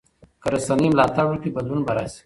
که رسنۍ ملاتړ وکړي بدلون به راشي.